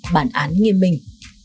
bản án nghiêm mình